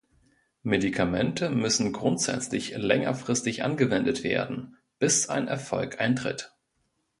Medikamente müssen grundsätzlich längerfristig angewendet werden, bis ein Erfolg eintritt.